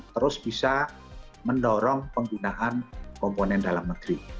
terus bisa mendorong penggunaan komponen dalam negeri